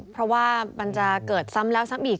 เพราะว่ามันจะเกิดซ้ำแล้วซ้ำอีก